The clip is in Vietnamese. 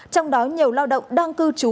trong đó nhiều lao động đang cư trú